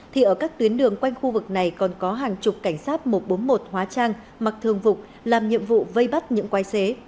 thì ở các tuyến đường quanh khu vực này còn có hàng chục cảnh sát một trăm bốn mươi một hóa trang mặc thương vục làm nhiệm vụ vây bắt những quay xế